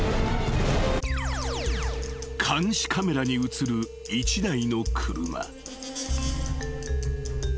［監視カメラに写る１台の車］